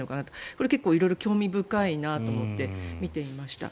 これは結構興味深いなと思って見ていました。